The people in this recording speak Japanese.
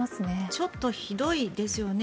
ちょっとひどいですよね。